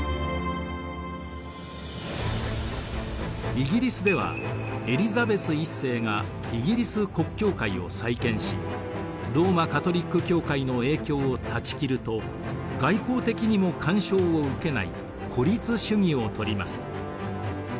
イギリスではエリザベス１世がイギリス国教会を再建しローマ・カトリック教会の影響を断ち切ると外交的にも干渉を受けない孤立主義を取ります。